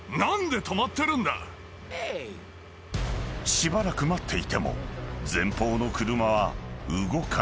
［しばらく待っていても前方の車は動かない］